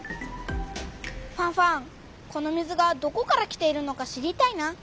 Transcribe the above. ファンファンこの水がどこから来ているのか知りたいな。